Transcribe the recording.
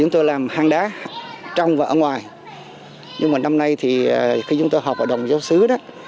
trong và ở ngoài nhưng mà năm nay thì khi chúng tôi họp hội đồng giáo sứ đó